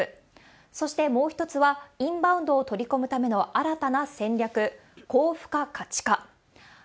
そしてもう一つは、インバウンドを取り込むための新たな戦略、高付加価値化。